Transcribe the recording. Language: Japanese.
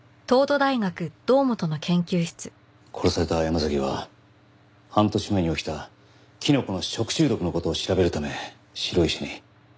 殺された山崎は半年前に起きたキノコの食中毒の事を調べるため白石に。